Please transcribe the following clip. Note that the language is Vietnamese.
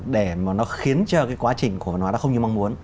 để mà nó khiến cho cái quá trình của nó nó không như mong muốn